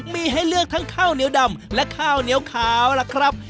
มีให้เลือกทั้งข้าวเหนียวดำและข้าวเหนียวขาวล่ะครับ